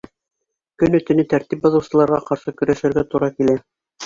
Көнө-төнө тәртип боҙоусыларға ҡаршы көрәшергә тура килә.